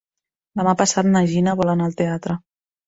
Demà passat na Gina vol anar al teatre.